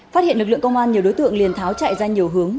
phát hiện lực lượng công an nhiều đối tượng liền tháo chạy ra nhiều hướng